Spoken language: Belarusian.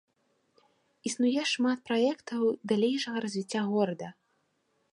Існуе шмат праектаў далейшага развіцця горада.